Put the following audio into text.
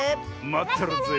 まってるぜ。